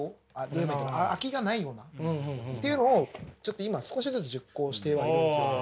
空きがないような。っていうのをちょっと今少しずつ実行してはいるんですよ。